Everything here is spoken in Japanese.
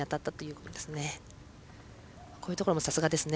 こういうところもさすがですね。